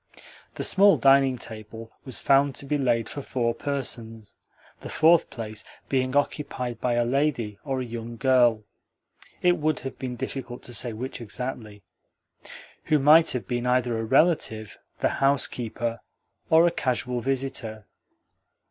The small dining table was found to be laid for four persons the fourth place being occupied by a lady or a young girl (it would have been difficult to say which exactly) who might have been either a relative, the housekeeper, or a casual visitor.